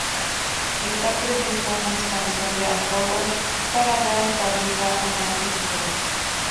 Está previsto una expansión de aforo para dar cabida a más seguidores.